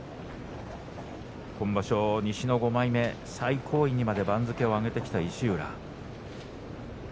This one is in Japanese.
今場所、西の５枚目最高位にまで番付を上げてきた石浦。